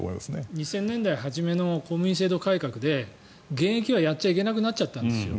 ２０００年代初めの公務員制度改革で現役はやっちゃいけなくなったんです。